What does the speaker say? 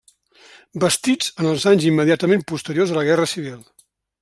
Bastits en els anys immediatament posteriors a la guerra civil.